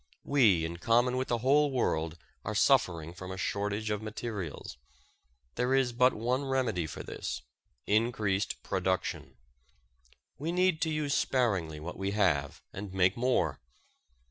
We, in common with the whole world, are suffering from a shortage of materials. There is but one remedy for this, increased production. We need to use sparingly what we have and make more.